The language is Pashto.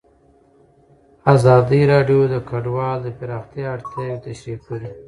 ازادي راډیو د کډوال د پراختیا اړتیاوې تشریح کړي.